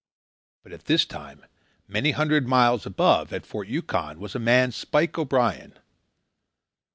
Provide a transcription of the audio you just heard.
But at this time, many hundred miles above, at Fort Yukon, was a man, Spike O'Brien.